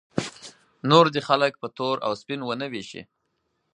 نور دې خلک په تور او سپین ونه ویشي.